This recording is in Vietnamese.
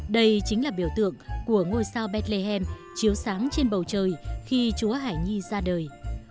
đây chính là biểu tượng của ngôi sao bethlehem chiếu sáng trên bầu trời khi chúa hải nhi ra đời